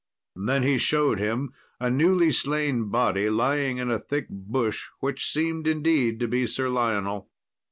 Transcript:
Then he showed him a newly slain body lying in a thick bush, which seemed indeed to be Sir Lionel.